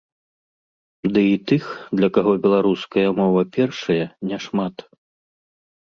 Ды і тых, для каго беларуская мова першая, няшмат.